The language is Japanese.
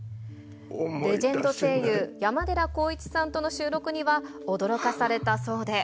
レジェンド声優、山寺宏一さんとの収録には驚かされたそうで。